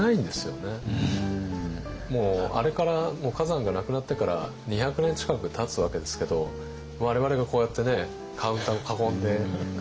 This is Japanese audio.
もうあれから崋山が亡くなってから２００年近くたつわけですけど我々がこうやってねカウンターを囲んで崋山の話をするっていう。